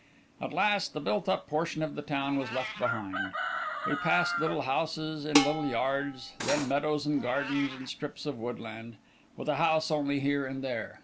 At last, the built up portion of the town was left behind; we passed little houses in little yards, then meadows and gardens and strips of woodland, with a house only here and there.